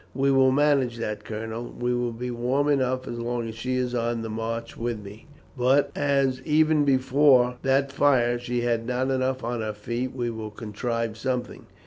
"We will manage that, Colonel. She will be warm enough as long as she is on the march with me; but as, even before that fire, she has not enough on her, we will contrive something.